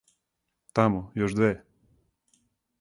Тамо, још две!